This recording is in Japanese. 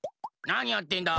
なにやってんだ？